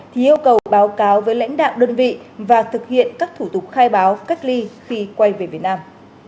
thì yêu cầu báo cáo với lãnh đạo đơn vị và thực hiện các thủ tục khai báo cách ly khi quay về việt nam